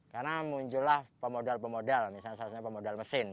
karena muncullah pemodal pemodal misalnya pemodal mesin